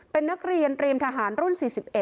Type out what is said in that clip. เป็นนักเรียนเตรียมทหารรุ่น๔๑